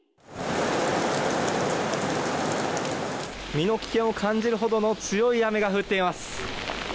身の危険を感じるほどの強い雨が降っています。